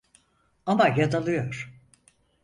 Ama yanılıyor.